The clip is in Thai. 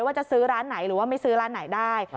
ว่าจะซื้อร้านไหนหรือว่าไม่ซื้อร้านไหนได้